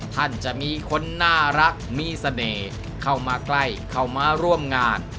ท่านจะมีคนน่ารักมีเสน่ห์เข้ามาใกล้เข้ามาร่วมงาน